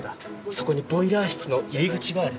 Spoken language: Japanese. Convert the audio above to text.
そこにボイラー室の入り口がある。